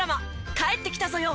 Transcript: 『帰ってきたぞよ！